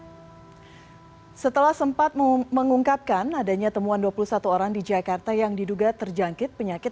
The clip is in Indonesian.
hai setelah sempat mengungkapkan adanya temuan dua puluh satu orang di jakarta yang diduga terjangkit penyakit